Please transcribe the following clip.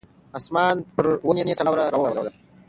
اسمان پر ونې سړه واوره راووروله.